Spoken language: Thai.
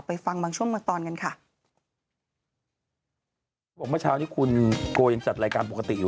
ไปฟังบางช่วงมาตอนกันค่ะ